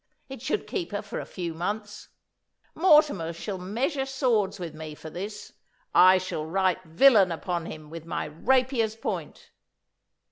It should keep her for a few months. Mortimer shall measure swords with me for this. I shall write villain upon him with my rapier's point.